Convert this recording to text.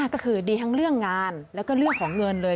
ก็คือดีทั้งเรื่องงานแล้วก็เรื่องของเงินเลย